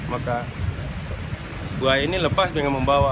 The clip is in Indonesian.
maka buaya ini lepas dengan membawa